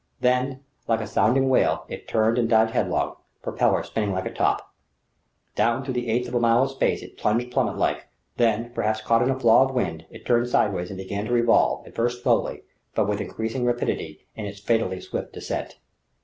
Then like a sounding whale it turned and dived headlong, propeller spinning like a top. Down through the eighth of a mile of space it plunged plummet like; then, perhaps caught in a flaw of wind, it turned sideways and began to revolve, at first slowly, but with increasing rapidity in its fatally swift descent.